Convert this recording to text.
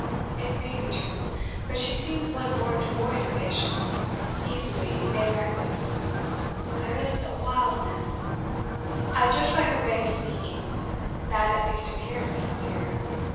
It may be true. But she seems one born devoid of patience, easily made reckless. There is a wildness ... I judge by her way of speaking; that at least appeared sincere.